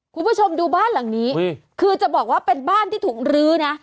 คุณผู้ชมดูบ้านหลังนี้คือจะบอกว่าเป็นบ้านที่ถูกรื้อนะ